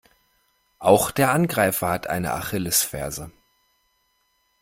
Auch der Angreifer hat eine Achillesferse.